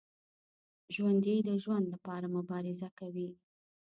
ژوندي د ژوند لپاره مبارزه کوي